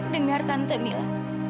dengar tante mila